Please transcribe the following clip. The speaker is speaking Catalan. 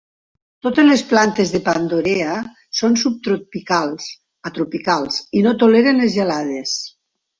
Totes les plantes de "Pandorea" són subtropicals a tropicals i no toleren les gelades.